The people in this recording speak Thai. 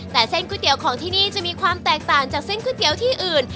แต่เส้นก๋วยเตี๋ยวของที่นี่จะมีความแตกต่างจากเส้นก๋วยเตี๋ยวที่อื่น